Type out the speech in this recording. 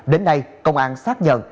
đến nay công an xác nhận